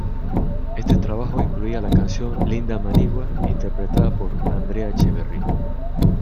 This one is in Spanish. Este trabajo incluía la canción "Linda Manigua", interpretada por Andrea Echeverri.